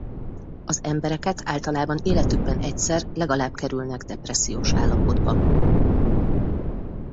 Az embereket általában életükben egyszer legalább kerülnek depressziós állapotba.